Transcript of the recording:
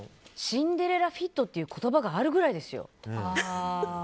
シンデレラフィットという言葉があるぐらいですよ。